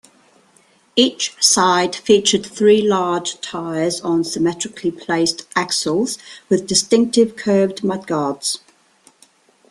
Each side featured three large tires on symmetrically placed axles, with distinctive curved mudguards.